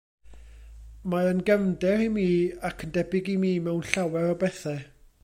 Mae yn gefnder i mi, ac yn debyg i mi mewn llawer o bethau.